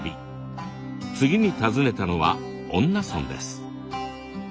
次に訪ねたのは恩納村です。